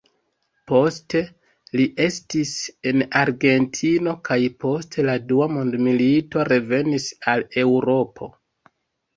Poste li estis en Argentino kaj post la Dua Mondmilito revenis al Eŭropo.